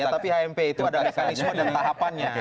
tapi hmp itu ada mekanisme dan tahapannya